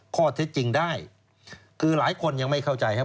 ข้อเท็จจริงได้คือหลายคนยังไม่เข้าใจครับ